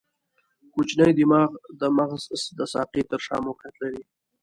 کوچنی دماغ د مغز د ساقې تر شا موقعیت لري.